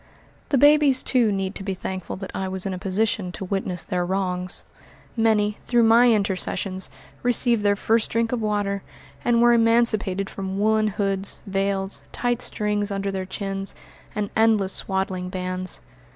The babies, too, need to be thankful that I was in a position to witness their wrongs. Many, through my intercessions, received their first drink of water, and were emancipated from woolen hoods, veils, tight strings under their chins, and endless swaddling bands.